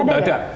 oh nggak ada